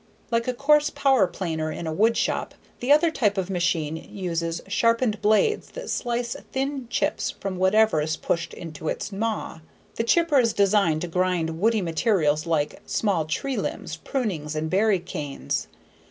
Like a coarse power planer in a wood shop, the other type of machine uses sharpened blades that slice thin chips from whatever is pushed into its maw. The chipper is designed to grind woody materials like small tree limbs, prunings, and berry canes.